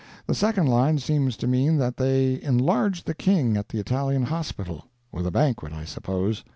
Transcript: The second line seems to mean that they enlarged the King at the Italian hospital. With a banquet, I suppose.